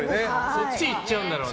そっちいっちゃうんだろうな。